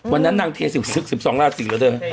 วันนั้นนั่งเทศิษฐศึก๑๒ราชิกเหรอเธอ